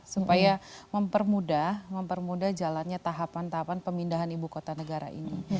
supaya mempermudah mempermudah jalannya tahapan tahapan pemindahan ibu kota negara ini